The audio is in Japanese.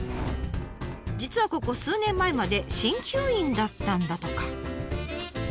実はここ数年前まで鍼灸院だったんだとか。